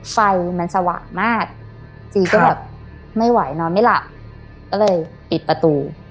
ไฟมันสว่างมากจีก็แบบไม่ไหวนอนไม่หลับก็เลยปิดประตู